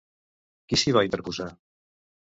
Qui s'hi va interposar?